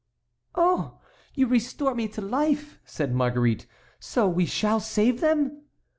"Oh! you restore me to life," said Marguerite. "So we shall save them?"